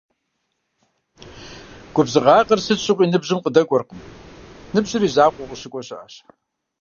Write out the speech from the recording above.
Губзыгъагъэр сыт щыгъуи ныбжьым къыдэкӏуэркъым - ныбжьыр и закъуэу къыщыкӏуэ щыӏэщ.